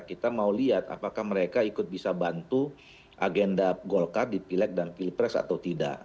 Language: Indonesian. kita mau lihat apakah mereka ikut bisa bantu agenda golkar di pileg dan pilpres atau tidak